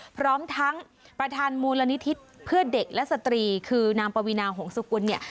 พร้อมทั้งประธานมูลนิธิเพื่อเด็กและสตรีคือนางปวีนาหงศกุลเนี่ย